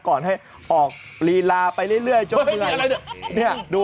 ก่อนให้ออกลีลาไปเรื่อยไหนเนี่ยดู